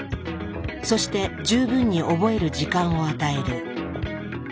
そして十分に覚える時間を与える。